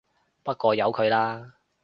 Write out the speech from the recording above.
不過由佢啦